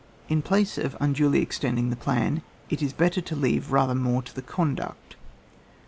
In place of unduly extending the plan, it is better to leave rather more to the conduct.